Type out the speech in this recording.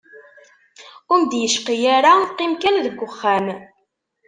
Ur m-d-icqi ara, qqim kan deg uxxam.